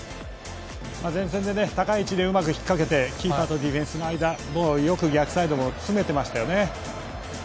前線で高い位置でうまく引っ掛けてキーパーとディフェンスの間よく逆サイド、詰めてましたよね。